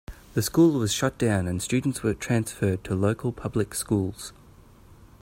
The school was shut down and students were transferred to local public schools.